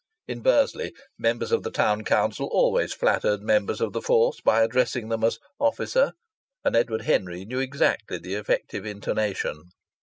(In Bursley, members of the Town Council always flattered members of the Force by addressing them as "officer"; and Edward Henry knew exactly the effective intonation.)